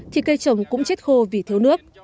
thì cây trồng cũng chết khô vì thiếu nước